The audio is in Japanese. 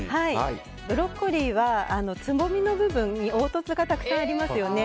ブロッコリーはつぼみの部分に凹凸がたくさんありますよね。